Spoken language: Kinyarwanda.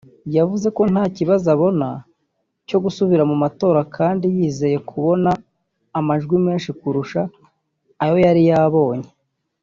yavuze ko nta kibazo abona cyo gusubira mu matora kandi yizeye kuzabona amajwi menshi kurusha ayo yari yabonye